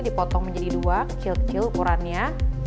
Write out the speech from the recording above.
dipotong menjadi dua kecil kecil ukurannya